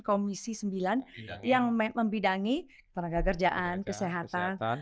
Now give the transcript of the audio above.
komisi sembilan yang membidangi tenaga kerjaan kesehatan